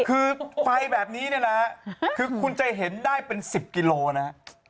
คือไฟแบบนี้คุณจะเห็นได้เป็น๑๐กิโลเมตร